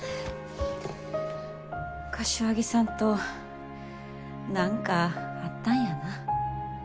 柏木さんと何かあったんやな。